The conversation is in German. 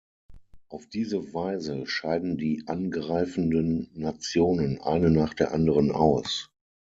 Auf diese Weise scheiden die angreifenden Nationen eine nach der anderen aus.